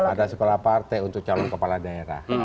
ada sekolah partai untuk calon kepala daerah